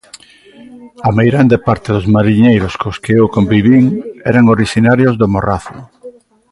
A meirande parte dos mariñeiros cos que eu convivín eran orixinarios do Morrazo.